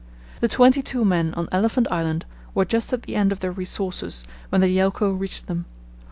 The twenty two men on Elephant Island were just at the end of their resources when the Yelcho reached them.